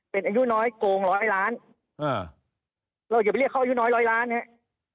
เป็นอายุน้อยโกงร้อยล้านอ่าเราอย่าไปเรียกเขาอายุน้อยร้อยล้านนะครับ